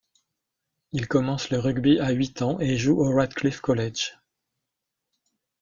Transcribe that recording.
Il commence le rugby à huit ans et joue au Ratcliffe College.